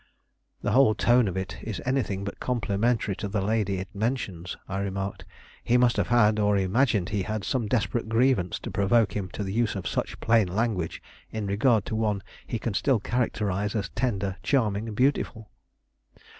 "The whole tone of it is anything but complimentary to the lady it mentions," I remarked. "He must have had, or imagined he had, some desperate grievance, to provoke him to the use of such plain language in regard to one he can still characterize as tender, charming, beautiful."